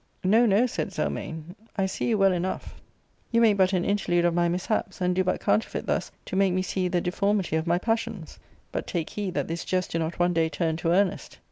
"No, no,*' said Zelmane, " I see you well enough ; you make but an interlude of my mishaps, and do but counterfeit thus, to make me see the deformity of my passions ; but take heed that this jest do not one day turn to earnest.